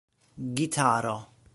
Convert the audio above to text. gitaro